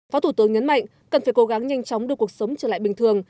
phó thủ tướng nhấn mạnh cần phải cố gắng nhanh chóng đưa cuộc sống trở lại bình thường